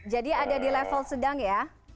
jadi ada di level sedang ya